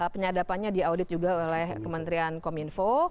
penyadapannya diaudit juga oleh kementerian kominfo